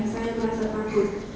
saya merasa takut